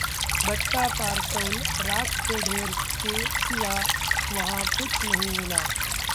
भट्टा-पारसौल: राख के ढेर के सिवा वहां कुछ नहीं मिला